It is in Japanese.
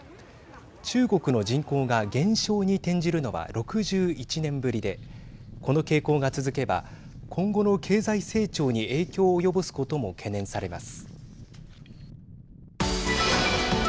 中国の人口が減少に転じるのは６１年ぶりでこの傾向が続けば今後の経済成長に影響を及ぼすことも懸念されます。